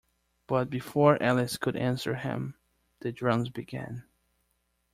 But before Alice could answer him, the drums began.